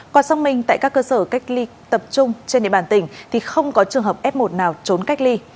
qua xác minh tại các cơ sở cách ly tập trung trên địa bàn tỉnh thì không có trường hợp f một nào trốn cách ly